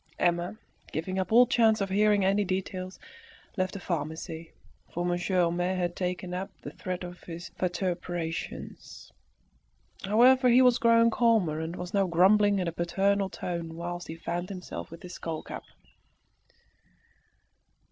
Emma, giving up all chance of hearing any details, left the pharmacy; for Monsieur Homais had taken up the thread of his vituperations. However, he was growing calmer, and was now grumbling in a paternal tone whilst he fanned himself with his skull cap.